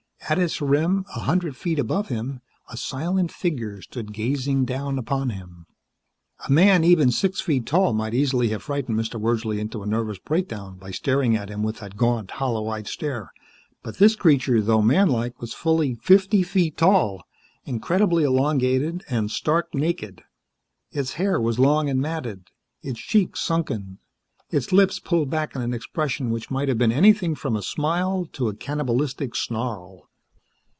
At its rim, a hundred feet above him, a silent figure stood gazing down upon him. A man even six feet tall might easily have frightened Mr. Wordsley into a nervous breakdown by staring at him with that gaunt, hollow eyed stare, but this creature, though manlike, was fully fifty feet tall, incredibly elongated, and stark naked. Its hair was long and matted; its cheeks sunken, its lips pulled back in an expression which might have been anything from a smile to a cannibalistic snarl.